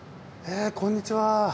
えこんにちは。